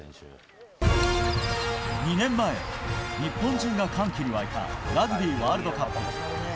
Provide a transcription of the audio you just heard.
２年前、日本中が歓喜に沸いたラグビーワールドカップ。